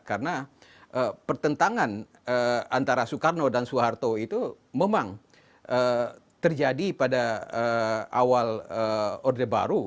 karena pertentangan antara soekarno dan soeharto itu memang terjadi pada awal orde baru